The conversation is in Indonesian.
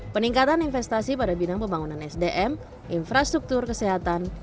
peningkatan investasi pada bidang pembangunan sdm infrastruktur kesehatan